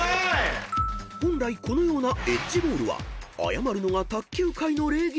［本来このようなエッジボールは謝るのが卓球界の礼儀なのだが］